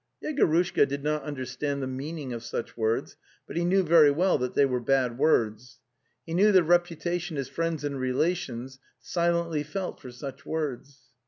Yego rushka did not understand the meaning of such words, but he knew very well they were bad words. He knew the repulsion his friends and relations silently felt for such words.